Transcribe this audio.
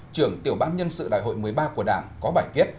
trưởng tiểu ban nhân sự đại hội một mươi ba của đảng có bài viết